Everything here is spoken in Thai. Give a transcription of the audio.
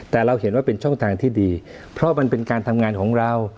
แต่เราเห็นว่าเป็นช่องทางที่ดีเพราะมันเป็นการทำงานของเรา